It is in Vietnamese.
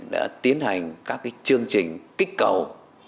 đã tiến hành các chương trình kích cầu